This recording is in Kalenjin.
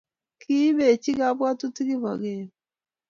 Kiibechi kabwatutik Kipokeio